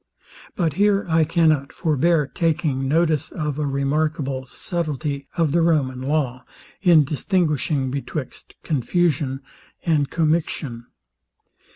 But here I cannot forbear taking notice of a remarkable subtilty of the Roman law, in distinguishing betwixt confusion and commixtion.